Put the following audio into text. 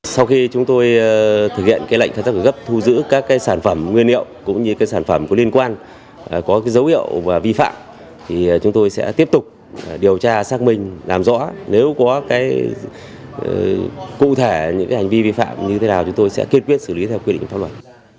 sau khi chúng tôi thực hiện lệnh tác phẩm gấp thu giữ các sản phẩm nguyên liệu cũng như sản phẩm có liên quan có dấu hiệu vi phạm thì chúng tôi sẽ tiếp tục điều tra xác minh làm rõ nếu có cụ thể những hành vi vi phạm như thế nào chúng tôi sẽ kiên quyết xử lý theo quy định pháp luật